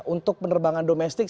untuk penerbangan domestik